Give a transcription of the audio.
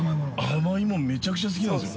◆甘いもの、めちゃくちゃ好きなんですよ。